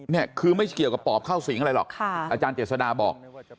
นี่คือไม่เกี่ยวกับปอบเข้าสิงอะไรหรอกอาจารย์เจษฎาบอก